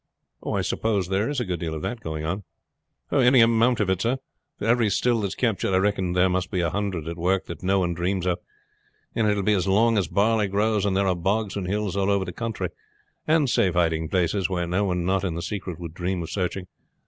"I suppose that there is a good deal of that going on." "Any amount of it, sir. For every still that is captured I reckon there must be a hundred at work that no one dreams of, and will be as long as barley grows and there are bogs and hills all over the country, and safe hiding places where no one not in the secret would dream of searching.